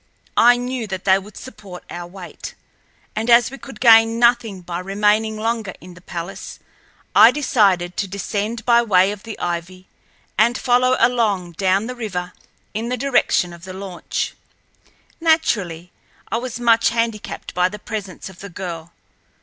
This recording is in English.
I knew that they would support our weight, and as we could gain nothing by remaining longer in the palace, I decided to descend by way of the ivy and follow along down the river in the direction of the launch. Naturally I was much handicapped by the presence of the girl.